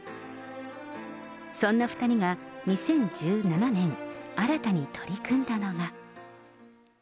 そんな２人が２０１７年、新たに取り組んだのが。